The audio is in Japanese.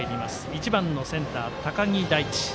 １番のセンター、高木大地。